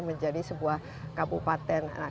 menjadi sebuah kabupaten